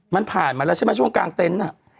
มันผ่านมาแล้วใช่ไหมช่วงกลางเต็นต์